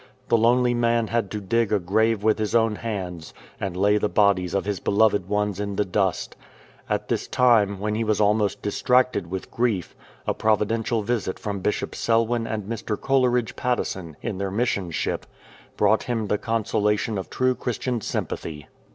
The lonely man had to dig a grave with his own hands, and lay the bodies of his beloved ones in the dust. At this time, when he was almost distracted with grief, a providential visit from Bishop Selwyn and Mr. Coleridge Patteson in their Mission ship brought him the consolation of true Christian sympathy.